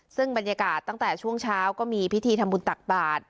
ซึ่งบรรยากาศตั้งแต่ช่วงเช้าก็มีพิธีทำบุญตักบาท